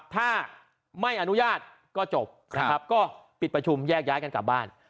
ถ้าไม่อนุญาตก็จบนะครับก็ปิดประชุมแยกย้ายกันกลับบ้าน